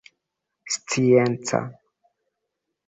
scienca